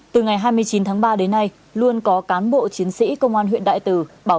từ ngày hai mươi chín tháng ba đến nay luôn có cán bộ chiến sĩ công an huyện đại từ bảo